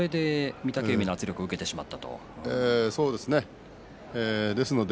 御嶽海の圧力を受けてしまったという感じです。